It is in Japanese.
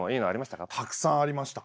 たくさんありました。